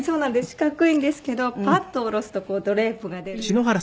四角いんですけどパッと下ろすとこうドレープが出るっていう。